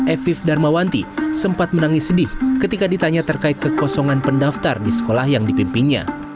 efif darmawanti sempat menangis sedih ketika ditanya terkait kekosongan pendaftar di sekolah yang dipimpinnya